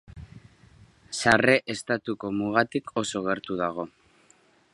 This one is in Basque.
Sarre estatuko mugatik oso gertu dago.